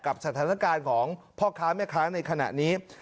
สถานการณ์ของพ่อค้าแม่ค้าในขณะนี้